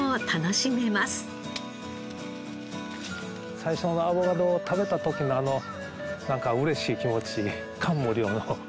最初のアボカドを食べた時のあのなんか嬉しい気持ち感無量の気持ち。